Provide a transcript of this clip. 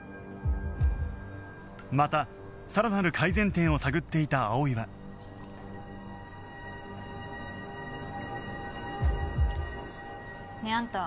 またさらなる改善点を探っていた葵はねえあんた。